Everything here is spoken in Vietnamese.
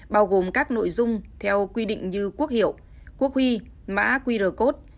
bao gồm các nội dung theo quy định như quốc hiệu quốc huy mã qr code